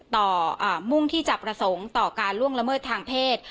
มุ่งที่จะประสงค์ต่อการล่วงละเมิดทางเพศ